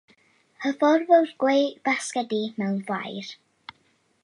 Hyfforddwr gweu basgedi mewn ffair.